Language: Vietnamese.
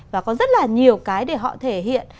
và có rất là nhiều cái để họ thể hiện